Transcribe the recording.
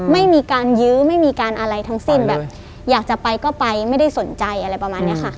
ไม่มีการยื้อไม่มีการอะไรทั้งสิ้นแบบอยากจะไปก็ไปไม่ได้สนใจอะไรประมาณนี้ค่ะ